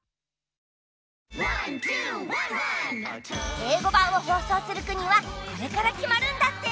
英語版を放送する国はこれからきまるんだって！